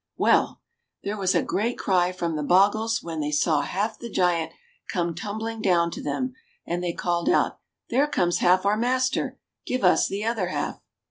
Well ! There was a great cry from the bogles when they saw half the giant come tumbling down to them, and they called out, "There comes half our master, give us the other half."